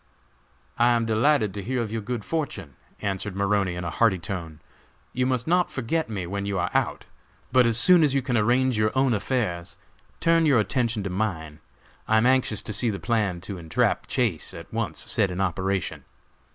"I am delighted to hear of your good fortune," answered Maroney in a hearty tone. "You must not forget me when you are out, but as soon as you can arrange your own affairs, turn your attention to mine. I am anxious to see the plan to entrap Chase at once set in operation.